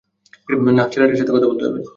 নাহয় ছেলেটার সাথে কথা বলতে হবে।